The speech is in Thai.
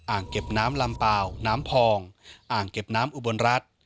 อ่างเก็บน้ำลำเปล่าน้ำพองอ่างเก็บน้ำอุบลรัฐ